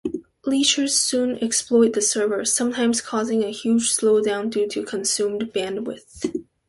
Leechers soon exploit the servers, sometimes causing a huge slow-down due to consumed bandwidth.